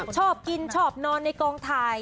ชอบกินชอบนอนในกองถ่าย